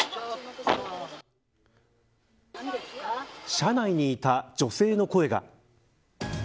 車内にいた女性の声が。